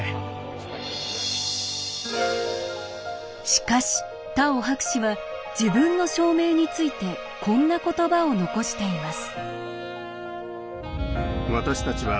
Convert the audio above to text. しかしタオ博士は自分の証明についてこんな言葉を残しています。